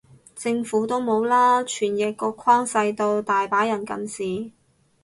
政府都冇啦，傳譯個框細到，大把人近視